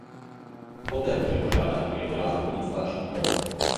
Poté může požádat o jednorázový instalační kód.